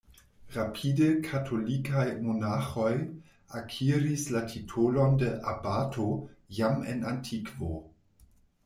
Rapide, katolikaj monaĥoj akiris la titolon de "abato", jam en antikvo.